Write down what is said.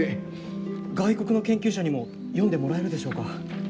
外国の研究者にも読んでもらえるでしょうか？